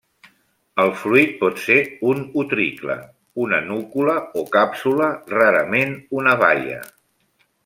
El fruit pot ser un utricle, una núcula o càpsula, rarament una baia.